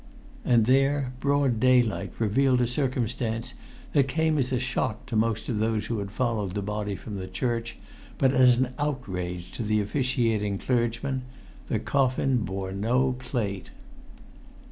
And there broad daylight revealed a circumstance that came as a shock to most of those who had followed the body from the church, but as an outrage to the officiating clergyman: the coffin bore no plate.